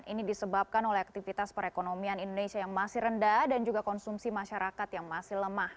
ini disebabkan oleh aktivitas perekonomian indonesia yang masih rendah dan juga konsumsi masyarakat yang masih lemah